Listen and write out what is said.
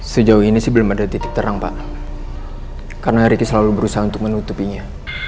sejauh ini sih belum ada titik terang pak karena ricky selalu berusaha untuk menutupinya